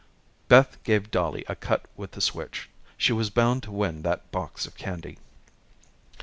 Beth gave Dollie a cut with the switch. She was bound to win that box of candy.